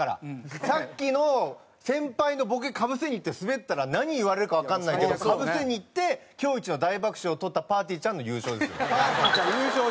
さっきの先輩のボケかぶせにいってスベったら何言われるかわかんないけどかぶせにいって今日イチの大爆笑をとったぱーてぃーちゃんの優勝ですよ。